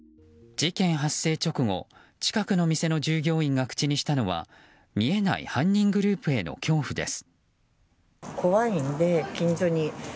事件発生直後近くの店の従業員が口にしたのは見えない犯人グループへの恐怖です。